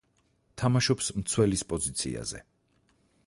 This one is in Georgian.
თამაშობს მცველის პოზიციაზე.